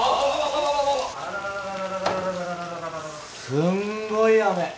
すごい雨。